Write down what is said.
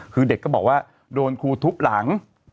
คือเด็กก็บอกว่าโดนครูทุบหลัง